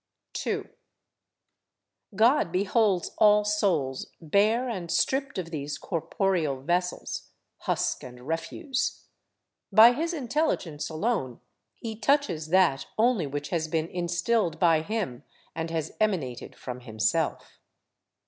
2. God beholds all souls bare and stripped of these corporeal vessels, husk, and refuse. By his intelligence alone he touches that only which has been instilled by him and has emanated from himself.